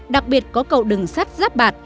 đặc biệt có cầu đường sắt giáp bạc